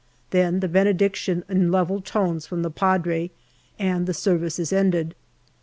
Then the benediction in level tones from the Padre and the service is ended.